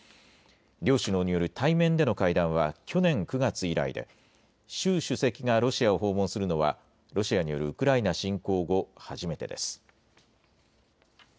両首脳による対面での会談は、去年９月以来で、習主席がロシアを訪問するのは、ロシアによるウクライナ侵攻後、初めてです。